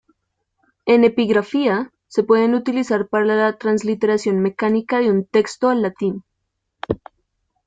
En epigrafía, se pueden utilizar para la transliteración mecánica de un texto al latín.